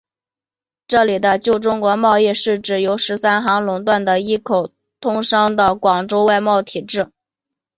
这里的旧中国贸易指的是由十三行垄断的一口通商的广州外贸体制。